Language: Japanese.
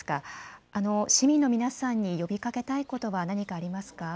市民の皆さんに呼びかけたいことは何かありますか。